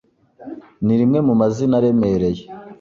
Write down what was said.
ni rimwe mu mazina aremereye